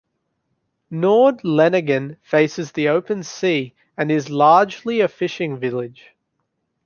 Nord-Lenangen faces the open sea, and is largely a fishing village.